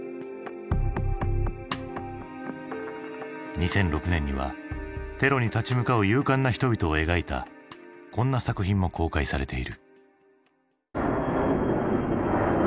２００６年にはテロに立ち向かう勇敢な人々を描いたこんな作品も公開されている。